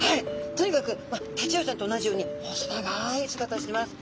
とにかくタチウオちゃんと同じように細長い姿をしてます。